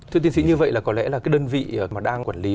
thưa tiến sĩ như vậy là có lẽ đơn vị đang quản lý